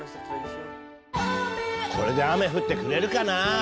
これで雨降ってくれるかな？